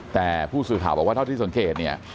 แต่ผู้สื่อข่าวบอกว่าเท่าที่สังเกตเนี่ย